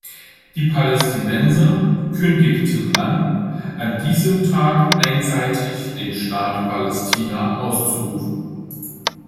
Die Palästinenser kündigten an, an diesem Tag einseitig den Staat Palästina auszurufen.